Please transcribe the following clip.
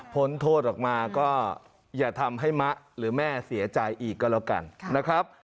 พ้นโทษออกมาก็อย่าทำให้มะหรือแม่เสียใจอีกก็แล้วกันนะครับ